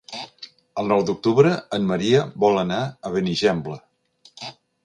El nou d'octubre en Maria vol anar a Benigembla.